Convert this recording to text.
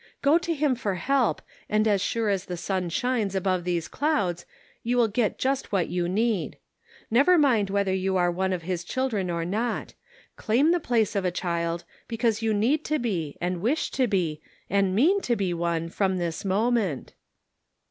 Go to him for help, and as sure as the sun shines above these clouds you will get just what you need. Never mind whether you think you are one of his children or not ; claim the place of a child because you need to be, and wish to be, and mean to be one from this moment."